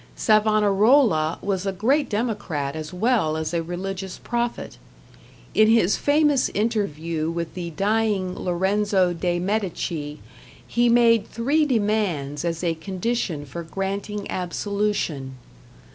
Savonarola was a great democrat as well as a religious prophet. In his famous interview with the dying Lorenzo de Medici he made three demands as a condition for granting absolution.